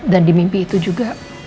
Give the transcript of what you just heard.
dan di mimpi itu juga